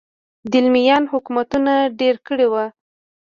دیلمیان حکومتونه جوړ کړي وو